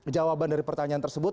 jawaban dari pertanyaan tersebut